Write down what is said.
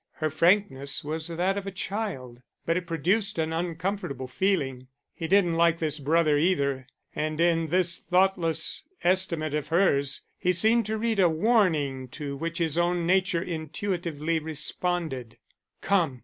Her frankness was that of a child, but it produced an uncomfortable feeling. He didn't like this brother either, and in this thoughtless estimate of hers he seemed to read a warning to which his own nature intuitively responded. "Come!"